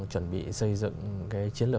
chuẩn bị xây dựng cái chiến lược